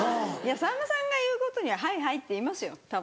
さんまさんが言うことにははいはいって言いますよたぶん。